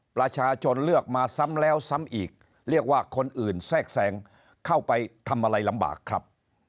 ประชาชนเลือกมาซ้ำแล้วซ้ำอีกเรียกว่าคนอื่นแทรกแทรงเข้าไปทำอะไรลำบากครับ